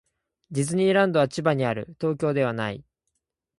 ディズニーランドは千葉にある。東京ではない。